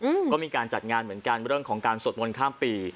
อืมก็มีการจัดงานเหมือนกันเรื่องของการสวดมนต์ข้ามปี